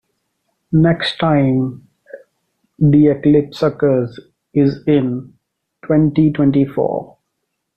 The next time the eclipse occurs is in twenty-twenty-four.